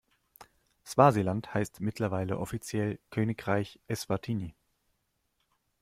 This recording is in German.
Swasiland heißt mittlerweile offiziell Königreich Eswatini.